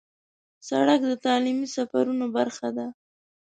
سړک د تعلیمي سفرونو برخه ده.